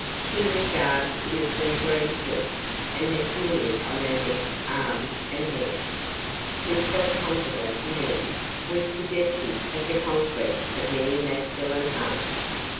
She was garbed in a sea green silk, and had jewellery on her neck, arms, and hair. Her self confident mien was suggestive of the conquest of many masculine hearts.